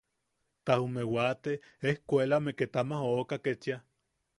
Ta jume wate ejkuelame ket ama jooka kechia.